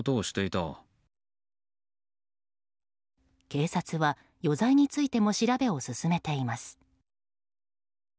警察は余罪についても調べを進めています。